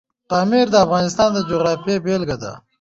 پامیر د افغانستان د جغرافیې بېلګه ده.